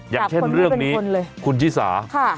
อย่างเช่นเรื่องนี้คุณชิสา